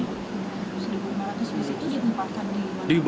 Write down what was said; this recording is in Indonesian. satu lima ratus bus itu ditempatkan di mana